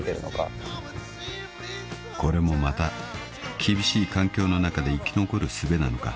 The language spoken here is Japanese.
［これもまた厳しい環境の中で生き残るすべなのか］